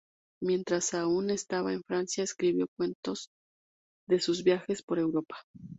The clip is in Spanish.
Mientras aún estaba en Francia, escribió cuentos de sus viajes por Europa.